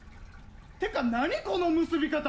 っていうか何この結び方！